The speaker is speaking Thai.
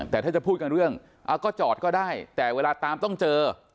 แต่ถ้าจะพูดกันเรื่องเอาก็จอดก็ได้แต่เวลาตามต้องเจอ